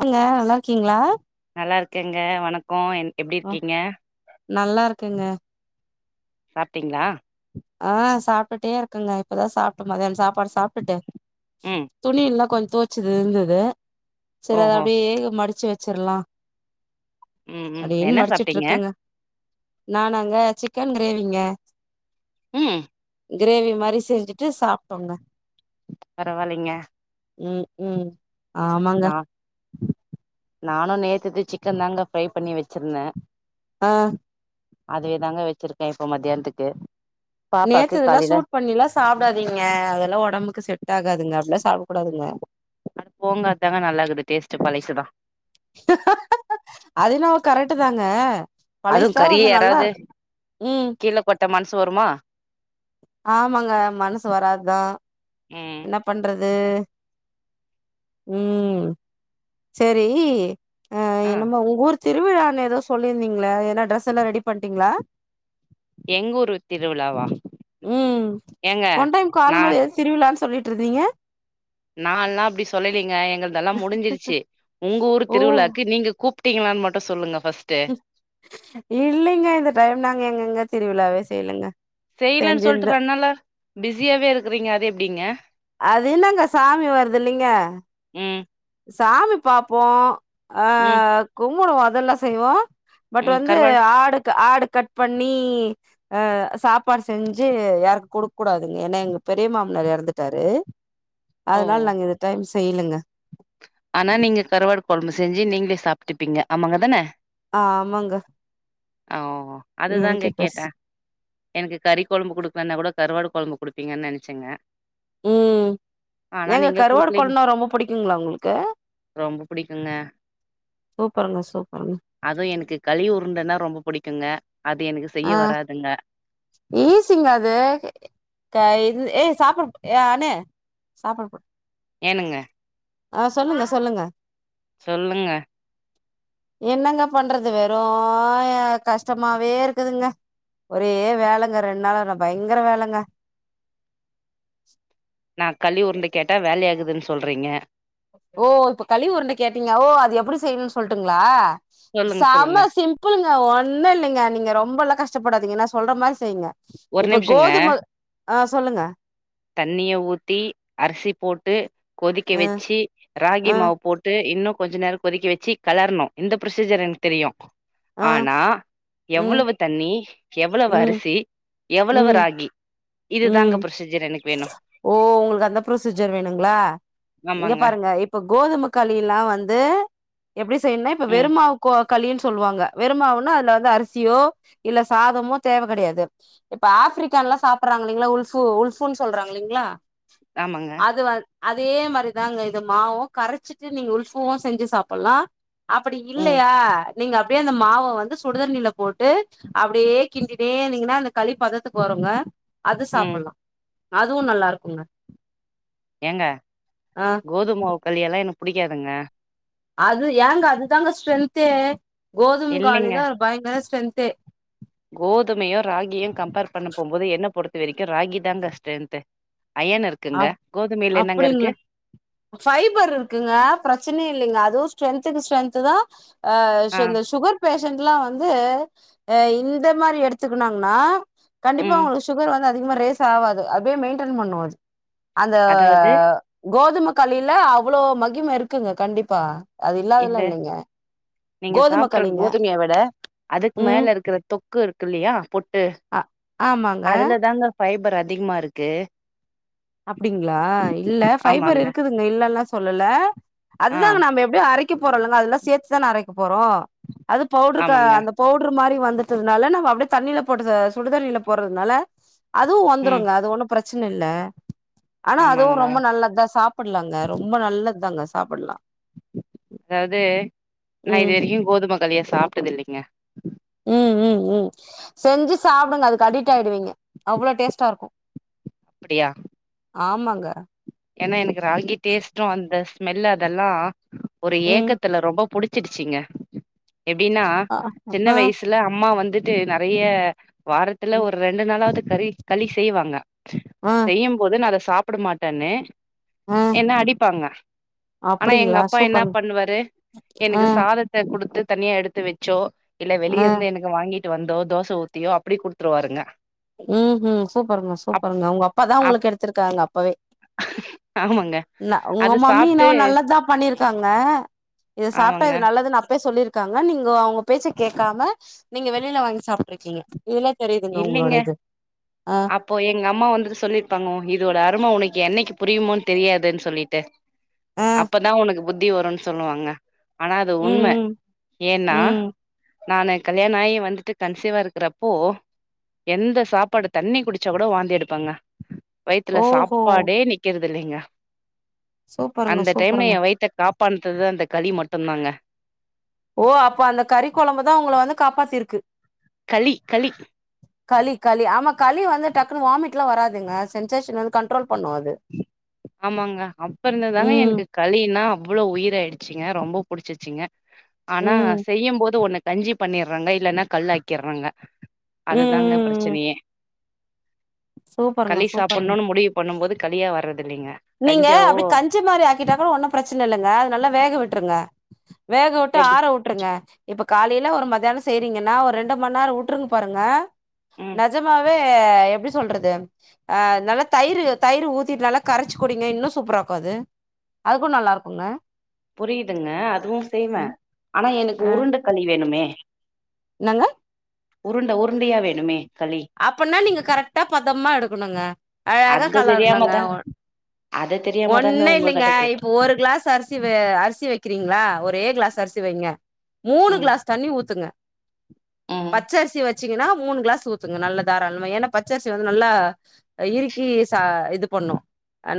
அங்க நல்லா இருக்கீங்களா நல்லா இருக்கேங்க வணக்கம் என் எப்படி ஆ இருக்கீங்க நல்லா இருக்கேங்க சாப்ட்டீங்களா ஆ சாப்ட்டுட்டே இருக்கேங்க இப்பதான் சாப்ட்டுட்டு சாப்ப டூ சாப்ட்டுட்டு ம் துணி எல்லாம் கொஞ்சம் துவச்சது இருந்தது சரி அத ஓஹோ அப்படியே மடிச் ச்சு வச்சிடலாம் ம் ம் என்ன சாப்ட்டீங்க நானாங்க சிக்கன் கிரேவிங்க ம் கிரேவி மாதிரி செஞ்சுட்டு சாப்ட்டோங்க பரவாலிங்க ம் ம் ஆமாங்க நானும் நேத்துது சிக்கன் தாங்க ஃப்ரை பண்ணி வச்சிருந்தேன் ஆ அதுவே தாங்க வச்சிருக்கேன் இப்போ மத்தியானத்துக்கு பாப்பாக்கு நேத்துல்லாம் காலையில சூட் பண்ணிலாம் சாப்பிடாதீங்க அதெல்லாம் உடம்புக்கு செட் ஆகாதுங்க அப்படிலாம் சாப்டக்கூடாதுங்க அட போங்க அத்தாங்க நல்லா இருக்குது டேஸ்ட் பலசுதான் அதுஎன்னவோ கரெக்ட் தாங்க அதுவு பழைசா கறிய வந்து நல்லா யாராவது இருக்கு ம் கீல கொட்ட மனசு வருமா ஆமாங்க மனசு வராதுதா ம் என்ன பண்றது அது உம் சரி ஆ என்னமோ உங்க ஊர் திருவிழானு ஏதோ சொல்லிருந்தீங்களே ஏன்ன டிரஸ் எல்லா ரெடி பண்ட்டீங்களா எங்கூர்ரு திருவிழாவா உம் ஏங்க பொன்டைம் கால் நா மோது ஏதோ திருவிழானு சொல்லிட் ந்தீங்க நான்ல்லா அப்டி சொல்லலைங்க எங்கள்தெல்லா முடிஞ்சிருச்சு உங்க ஊர் ஓ திருவிழாக்கு நீங்க கூப் டிக்களான்னு மட்டு சொல்லுங்க ஃபர்ஸ்ட்டு இல்லைங்க இந்த டைம் நாங்க எங்கங்க திருவிழாவே கேளுங்க செய்யலன்னு சொல்லிட்டு ரெண்நாளா பிஸியாவே இருக்கீறீங்க அது டிங்க அது என்னங்க சாமி வருதுல்லைங்க உம் சாமி பாப்போ ஆ ம், முணுமுதால்லா செய்வோ பட் ம். வந்து கருவாடு ஆடுக் ஆடு கட் பண்ணி அ சாப்பாடு செஞ்சு யாருக்கு கொடுக்க கூடாதுங்க ஏன்னா எங்க பெரிய மாமனார் இறந்துட்டாரு ஓ! அதனால நாங்க இந்த டைம் இல்லங்க ஆனா நீங்க கரவாடு கொழம்பு செஞ்சு நீங்களே சாப்பிட்டுப்பீங்க ஆமாங்க தான ஆமங்க ஒ ஓ அதுதாங்க கேட்ட எனக்கு கறி குழம்பு கொடுக்கணுனா கூட கருவாடு குழம்பு குடுப்பீங்கன்னு நினைச்சேங்க உம் எங்க கருவாட குடுக்கலீங் குழம்புனா ரொம்ப பிடிக்குங்களா உங்களுக் ரொம்ப பிடிக்குங்க சூப்பருங்க சூப்பருங்க அதுவு எனக்கு களி உருண்டன்னா ரொம்ப பிடிக்குங்க ஆ ஈசிங்க அது அ இது ஏ சாப்பிடு ஏ அணு சாப்ப போடு ஏனுங்க ஆ சொல்லுங்க சொல்லுங்க சொல்லுங்க என்னங்க பண்றது வெறு கஷ்டமாவே இருக்குதுங்க ஒரே வேலங்க ரெண்டு நாாளன பயங்கர வேலங்க நா கழி உருண்ட கேட்டா வேலய ஆகுது ன்னு சொல்றீங்க ஓ இப்ப கழிஉருண்ட கேட்டீங்க ஓ அது எப்டி செய்யணும்னு சொல்லட்டுங்களா சொல்லுங்க, சொல்லுங்க. செம சிம்பிளுங்க ஒண்ணு இல்ங்க நீங்க ரொம்பல கஷ்டப்படாதீங்கன்னா நா சொல்ற மாரி செய்யுங்க ஒரு இப்ப நிமிஷங்க. கோதும ஆ சொல்லுங்க தண்ணிய ஊத்தி அரிசி போட்டு கொதிக்க ஆ வச்சு ராகி ஆ மாவு போட்டு இன்னு கொஞ்சம் நேரம் கொதிக்கி வச்சு கலரணு இந்த ப்ரொசீஜர் எனக்கு தெரியும் ஆ ஆனா ம் எவ்வளவு தண்ணி எவ்வளவு ம் அரிசி எவ்வளவு ம் ராகி ம் இதுதாங்க பரொசீஜர் எனக்கு வேணு ஓ உங்களுக்கு அந்த ப்ரொசீஜர் வேணுங்களா இங்க ஆமாங்க பாருங்க இப்ப கோதுமக் கழில்லா வந்து எப்படி என்ன இப்ப ம் வெறும்மாவு கோ களின்னு சொல்லுவாங்க வெறுமாவுன்னா அதுல வந்து அரிசியோ இல்ல சாதமோ தேவை கெடையாது இப்ப ஆப்பிரிக்கால எலாம் சாப்பிடறாங்க இள்ளங்களா உல்ஃபு உல்ஃபுன்னு சொல்றாங்கல்லீங்களா ஆமாங்க அது வந் அதே மாதிரிதாங்க இது மாவும் கரைச்சிட்டு நீங்க உல்புவும் செஞ்சு சாப்பிடலாம் அப்படி ம் இல்லையா நீங்க அப்டியே அந்த மாவ வந்து சுடுதண்ணில போட்டு அப்டியே கிண்டித்தை இருந்தீங்கன்னா அந்த களி பதத்துக்கு வருங்க அது சாப் ம் அதுவும் நல்லா இருக்கோங்க ஏங்க கோதுமாவுக் கலிலால்லாம் எனக் புடிக்காதுங்க அது ஏங்க அது தாங்க ஸ்ட்ரென்த்தே கோது காலிதான் பயங்கர ஸ்டேன்த்தே கோதுமையும் ராகியும் கம்பேர் பண்ண போகும்போது என்ன பொறுத்த வரைக்கும் ராகி தாங்க ஸ்ட்ரென்த் அப் அப்படிங்களா பைபர் இருக்குங்க பிரச்சன இல்லைங்க அதுவும் ஸ்ரென்துக்கு ஸ்டரென்த் தான் ஆ இந்த சுகர் பேட்ச எல்லாம் வந்து இந்த மாதிரி எடுத்துக்கனாங்கன்னா கண்டிப்பா ம் உங்களுக்கு சுகர் வந்து அதிகமா ரேஸ் ஆவாது அப்படியே மெயின்டைன் பண்ணும் அது அந்த அதாவது கோதுமை கலில அவ்வளோ மகிமை இருக்குங்க கண்டிப்பா அது இல்லாதெல்லா இது இல்லைங்க நீங்க கோதும சாப்பிடுற களிங்க கோதுமையை விட அதுக்கு ம் மேல இருக்கிற தொக்கு இருக்கு இல்லையா பொட்டு அ ஆமாங்க அதுலதாங்க ஃபைபர் அதிகமா இருக்கு அப்படிங்களா இல்ல ஃபைபர் ஆமாங்க இருக்குதுங்க இல்லல்லாம் சொல்லல ஆ அதுதாங்க நாம எப்படியோ அரைக் க போறங்க அதல்லாம்சேர்த்து தான் அரைக்க போறோம் அது பவுடரு ஆமாங்க அந்த பவுடர் மாரி வந்துட்டதுனால நம்ம அப்படியே தண்ணீல போட்டத சுடுதண்ணியில போடுறதுனால அதுவும் ம் வந்துருங்க அது ஒண்ணும் பிரச் சனை இல்ல ஆனா அதுவும் ஆமாங்களா ரொம்ப நல்லதுதான் சாப்பிடலாங்க ரொம்ப நல்லது தாங்க சாப்பிடலாம் அதாவது நான் ம் இது வரையு கோதுமை களிய சாப்ட்டது இல்லீங்க [inaudible] ம் ம் ம் செஞ்சு சாப்பிடுங்க அதுக்கு அடிட் ஆயிடுவீங்க அவ்ளோ டேஸ்ட்டா இருக்கும் அப்படியா ஆமாங்க ஏன்னா எனக்கு ராகி டேஸ்ட்டும் வந்து மெல்ல அதெல்லா ஒரு ம் ஏக்கத்துல ரொம்ப புடிச் ச்சிருச்சிங்க எப்டின்னா அ சின்ன ஆ வயசுல அம்மா வந்து ட்டு நறைய வாரத்துல ஒரு ரெண்டு நாளாவது கறி களி செய்வாங்க ஆ செய்யும்போது நான் அத சாப் சாப்ட மாட்டேனு ஆ என்ன அடிப்பாங்க ஆனா எங்க அப்டிங்களா அப்பா என்ன சூப்பருங்க பண்ணுவாரு ஆ எனக்கு சாதத்த கொடுத்து தனியா எடுத்து வச்சோ இல்ல ஆ வெளியே இருந்து எனக்கு வாங்கி ட்டு வந்தோ தோச ஊத்தியோ அப்டி குடுத்துருவாருங்க ம் ம் சூப்பருங்க அப் சூப்பருங்க உங்க அப்பா தா உங்கள அப் கெடுத்திருக்காங்க அப்பவே ஆமாங்க ந உங்க அது மம்மி சாப்ட்டு என்னவோ நல்லதுதா பண்ணிருக்காங்க இத சாப்பிட்டா ஆமாங்க இது நல்லதுன்னு சொல்லிருக்காங்க நீங்க அவங்க பேச்ச கேட்காம நீங்க வெளில வாங்கி சாப்ட்டிருக்கீங்க இதுலே தெரியுதுங்க உங்களோட இல்லைங்க ஆ அப்போ எங்க அம்மா வந்துட்டு சொல்லிருப்பாங்க இதோட அரும உனக் என்னைக் புரியுமோன் தெரியாதுன்னு சொல்லிட்டு ஆ அப்பதா உனக்கு புத்தி வருன்னு சொல்லுவாங்க ஆனா அது ம் உண்ம ம் ஏன்னா ம் நானு கல்யாண ஆயி வந்துட்டு கன்சிவா இருக்கிறப்போ எந்த சாப்பாடு தண்ணி குடிச்சா கூட வாந்தி எடுப்பங்க வயித்துல ஓஹோ சாப்பாடே நிக்கிறது இல்லீங்க சூப்பருங்க அந்த டைம்ல சூப்பருங்க எ வைத்த காப் பண்றது அந்த களி மட்டுந்தாங்க ஓ அப்ப அந்த கறி குழம்புதா உங்கள வந்து காப்பாத்திருக்கு களி களி களி களி ஆமா களி வந்து டக்குனு வாமிட்லா வராதுங்க சென்சேஷன் வந்து கண்ட்ரோல் பண்ணு அது ஆமாங்க அப்ப இருந்ததாங்க ம் எனக்கு களினா அவ்ளோ உயிராயிடுச்சு ங்க ரொம்ப புடிச்சிருச்சிங்க ஆனா ம் செய்யு போது ஒன்னு கஞ்சி பண்ணிறங்க இல்லனா கல்லாக்கிறாங்க ம் அதுதாங்க ம் ம் பிரச்சனையே சூப்பருங்க களி சூப்பருங்க சாப்பன்னு முடிவு பண்ணு போது களியா வர்ற நீங்க அப்டி கஞ்சி மாரி ஆக்கிட்டா கூட ஒன்னு பிரச்சன இல்லங்க அது நல்ல வேக விட்ருங்க [inaudible] வேக வுட்டு எப்டி ஆற வுட்ருங்க இப்ப காலைல ஒரு மத்தியான செய்றீங்கன்னா ஒரு ரெண்டு மண்ணேரம் வுட்ருனு பாருங்க ம். நஜமாவே ஆ எப்டி சொல்றது ஆ நல்லா தயிரு தயிரு ஊத்திட் நல்லா கரச்சு குடிங்க இன்னு சூப்ராக்கும் அது அதுக்கு நல்லாருக்குங்க புரிதுங்க அதுவு செய்வ ஆனா எனக்கு ஆ உருண்ட களி வேணுமே என்னங்க உருண்ட உருண்டையா வேணுமே களி. அப்பன்னா நீங்க கரட்டா பதமா எடுக்கணுங்க அழகா அது தெரியாம கலரனங்க தான் உ அது தெரியாம தாங்க ஒண்ணு இல்லிங்க உங்ககிட்ட கேட்டேன். இப்போ ஒரு கிளாஸ் அரிசி வெ அரிசி வெக்கிறீங்ளா ஒரே கிளாஸ் அரிசி வைங்க மூணு ம். கிளாஸ் தண்ணி ஊத்துங்க ம். பச்சரிசி வச் வச்சீங்கனா மூணு கிளாஸ் ஊத்துங்க நல்ல தாராளமா ஏனா பச்சரிசி வந்து நல்லா இருக்கி ச இது பண்ணு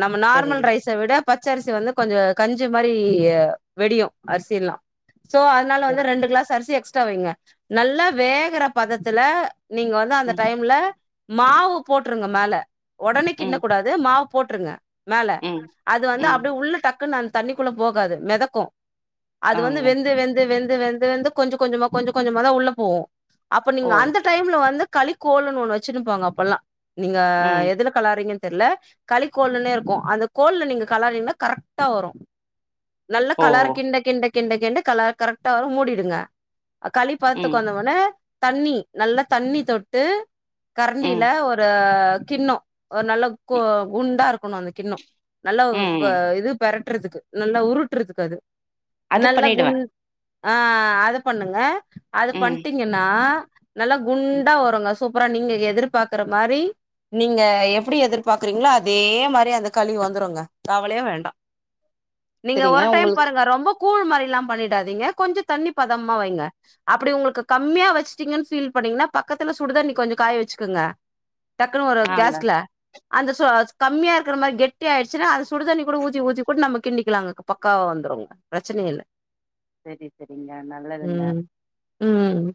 நம்மன நார்மல் சரிங்க. ரைஸ விட பச்சரிசி வந்து கொஞ்ச கஞ்சி மாரி வெடியும் அரிசிலா சோ அதனால வந்து சரி. ரண்டு கிளாஸ் அரிசி எக்ஸ் க்ஸ்ரா வைங்க நல்லா வேகற பதத்துல நீங்க வந்து அந்த ம். டைம்ல மாவு போட்டுருங்க மேல ஒடனே கிண்ண ம். கூடாது மா போட்டுருங்க மேல ம். அது வந்து ம். அப்டியே உள்ள டக்கு நான் தண்ணிக்குள்ள போகாது மெதக்கும் அது வந்து ஆங்க. வெந்து வெந்து வெந்து வெந்து வெந்து கொஞ்ச கொஞ்சமா கொஞ்ச கொஞ்சமா தாஉள்ள போகும் அப்ப ஓ! நீங்க அந்த டைம்ல வந்து களி கோலுன்ஒன்னு வச்சுன்னு இருப்பாங்க அப்பெல்லாம் நீங்க ம். எதுல கலாரீங்கன்ன தெரல கலிக்கோள்ன்னே இருக்கும் அந்த கோல்ல நீங்க கலாறீங்கன்னா கரெக்ட்டா வரும் நல்ல ஓ! கலர்க்கிண்ட கிண்டக்கி கிண்ட கிண்ட கல கரெக்டா வரு மூடிடுங்க களி ம். பததுக்கு வந்த ஒன்னே தண்ணி நல்லா தண்ணி தொட்டு கரண்டில ம் ஒரு கிண்ணோ ஒரு நல்ல கு ம் குண்டா இருக்கணு அந்த கிண்ணோ நல்ல கொ ம் இது பெர ட்டுறதுக்கு நல்லா உருட்டுறதுக்கு அது அது நல்ல பண்ணிடுவே குண் ஆ அது பண்ணுங்க அது ம் பண்ட்டீங்கன்னா நல்லா ம் குண்டா வருங்க சூப்பரா நீங்க எதிர்பாக்கற மாரி நீங்க எப்டி எதிர்பாக்குறீங்களோ அதே மாரி அந்த களி வந்துருங்க கவலையே வேண்டா நீங்க சரிங்க ஒரு டைம் உங்களுக்கு பாருங்க ரொம்ப கூழ் மாரில்லா பண்ணிடாதீங்க கொஞ்சோ தண்ணி பதமா வைங்க அப்படி உங்களுக்கு கம்மியா வச்சுட்டீங்கன் ஃபீல் பண்ணீங்கனா பக்கத்துல சுடு தண்ணி கொஞ்சோ காய வச்சுக்குங்க டக்குனு ஒரு ஆங்க கேஸ்ல அந்த சு கம்மியா இருக்கற மாரி கெட் டி ஆயிருச்சினா அது சுடு தண்ணி கூட ஊத்தி ஊத்தி கூட நம்ம கிண்டிக்கலாங்க பக்காவா வந்துருங்க பிரச்சன இல்ல செரி செரிங்க நல்லதுங்க ம் ம்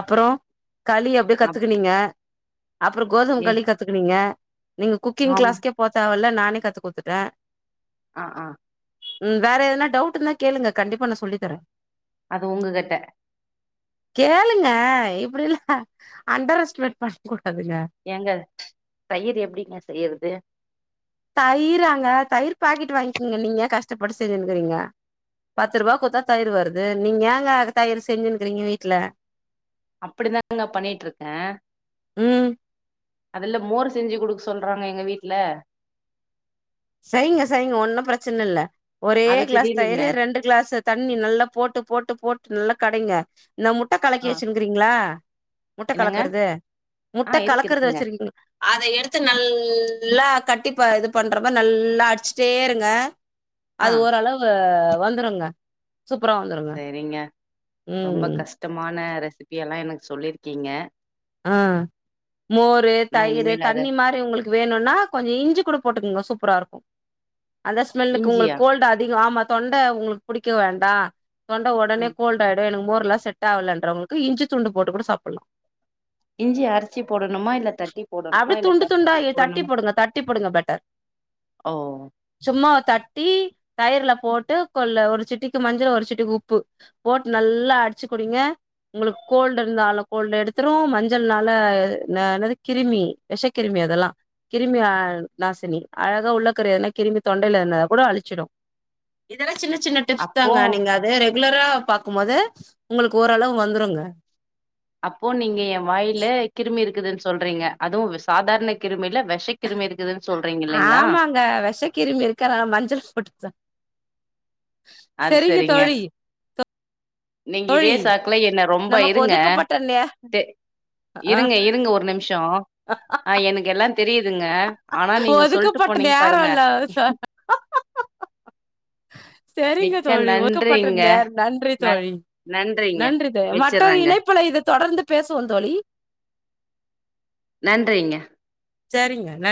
அப்புறோ களி அப்டியே அப் கத்துக்குனீங்க அப்புறோ கோதும ஏ களி கத்துக்குவீங்க நீங்க குக்கிங் ஆமா கிளாஸ்கே போவ் வல்ல நானே கத்து குடுத்துட்டே ஆ ஆ ம் வேற எதனா டவுட் இருந்தா கேளுங்க கண்டிப்பா நா சொல்லித்தரே அது உங்க கிட்ட கேளுங்க இப்டி இல்ல அண்டர் எஸ்டிமேட் ப [unintelligible] ஏங்க தயிர் எப்டிங்க செய்யறது தயிராங்க தயிர் பாக்கெட் வாய்ங்கிங்க நீங்க ஏ கஷ்டப்பட்டு செஞ்சினுக்கிறீங்க பத்து ரூவா குத்தா தயிர் வருது நீங்க ஏங்க தயிர் செஞ்சினுக்கிறீங்க வீட்டுல அப்படிதாங்க பண்ணிட்டு இருக்கே ம் அதுல்ல மோர் செஞ்சி குடுக்க சொல்றாங்க எங்க வீட்டுல செய்ங்க செய்ங்க ஒன்னு பிரச்சன இல்ல ஒரே அது கிளாஸ் தெரியலீங்க தயிரு ரெண்டு கிளாஸு தண்ணி நல்லா போட்டு போட்டு போட் நல்லா கடைங்க இந்த முட்ட கலக்கி ஆ வெச்சினுக்கிறீங்களா முட்ட என்னங்க கலக்குற்து ஆ முட்ட இருக்கு கலக்குற்து இருக்குங்க வெச்சிருக்ங் அத எடுத்து நல் ல்லா கட்டிப்ப இது பண் ட்றப நல்லா அடிச்டே இருங்க ஆ அது ஓரளவு வந்துருங்க சூப்பரா வந்துருங்க செரிங்க ரொம்ப ம் கஷ்டமான ரெஸ் சிபி எல்லாம் எனக் சொல்லிர்க்கீங ஆ மோரு நா தயிர் இனிமேல் அத தண்ணி மாரி உங்களுக்கு வேணுனா கொஞ்ச இஞ்சி கூட போட்டுக்குங்கோ துப்புரா இருக்கு அந்த ஸ்மெல்லுக்கு இஞ்சியா உங்ளுக் கோல்டு் அதிகொ ஆமா தொண்ட உங்ளுக் புடிக்க வேண்டா தொண்ட ஒடனே ம் கோல்டாயிடு எனக்கு மோர் லா செட் ஆவுலன்றவுங்ளுக்கு இஞ்சி துண்டு போட்டு கூட சாப்புட்லா இஞ்சி அர்ச்சி போடணுமா இல்ல தட்டி போடணுமா அப்டியே இல்ல துண்டு துண்டா கட் [inaudible] தட்டி போடணும் போடுங்க தட்டி போடுங்க பெட்டர் ஓ டி தயிர்ல போட்டு கொள்ள ஒரு சட்டிக்கு மஞ்சள் ஒரு சட்டிக்கு உப்பு போட்டு நல்லா அட்ச்சு குடிங்க உங்ளுக்கு கோல்ட் இருந்தாலு கோல்ட் எடுத் த்ரு மஞ்சள்னால ன ன்னது கிரிமி வெஷ கிருமி அதெல்லா கிருமி அ நாசினி அழகா உள்ளக்குற எத்னா கிருமி தொண்டைல ஏர்னத கூட அளிச்சிடு இதல சின்ன சின்ன டிப்ஸ் அப்போ தாங்க நீங்க அதே ரெக் உலரா பாக்குமோது உங்களுக்கு ஓரளவு வந்துருங்க அப்போ நீங்க எ வாயில கிருமி இருக்குதுன் சொல்றீங்க அதுவு சாதார்ண கிருமில விஷ கிருமி இருக்குதுன்னு சொல்றீங்க இல்லைங்களா ஆமாங்க வெஷ கிருமி இர்க்கறா மஞ்சள் போட்டு சா அத் செரிங்க நீங்க இதே தோழி சாக்குல என்ன ரொம்ப நமக்கு இருங்க ஒதுக்கப்பட்ட நே டெ ஆ இருங்க இருங்க ஒரு நிம்ஷெ ஆ எனுக்கு எல்லா தெரியு [unintelligible] ஆனா நீங்க சொல்ட்டு ஒதுக்கப்பட்ட போணீங் நேரோ பாருங்க இல்ல ச [unintelligible] மிக்க தோழி ஒக்கப்பட்ட நன்றிங்க நேர் நன்றி ந தோழி நன்றிங்க நன்றி த மத்தொரு வச்சர்றேங்க இணைப்புல இது தொடர்ந்து பேசுவோ தோளி நன்றிங சேரிங்க நன்